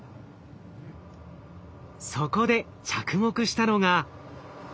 そこで着目したのが。